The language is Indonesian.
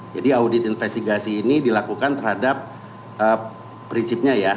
jadi audit investigasi ini dilakukan terhadap prinsipnya ya